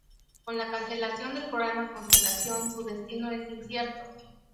Con la cancelación del programa Constellation, su destino es incierto.